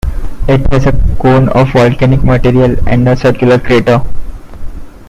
It has a cone of volcanic material and a circular crater.